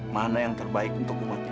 mana yang terbaik untuk umatnya